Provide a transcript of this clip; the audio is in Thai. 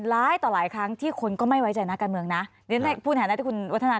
ร้ายต่อหลายครั้งที่คนก็ไม่ไว้ใจนักการเมืองนะคุณวัฒนา